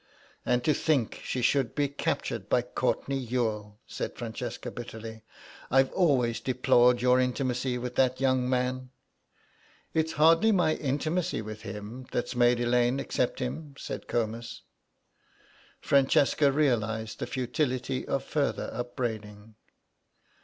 "And to think she should be captured by Courtenay Youghal," said Francesca, bitterly; "I've always deplored your intimacy with that young man." "It's hardly my intimacy with him that's made Elaine accept him," said Comus. Francesca realised the futility of further upbraiding.